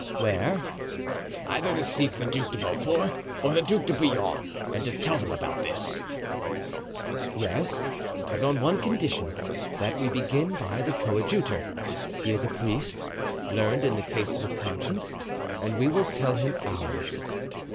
"Where?" "Either to seek the Duc de Beaufort or the Duc de Bouillon, and to tell them about this." "Yes, but on one condition—that we begin by the coadjutor. He is a priest, learned in cases of conscience, and we will tell him ours."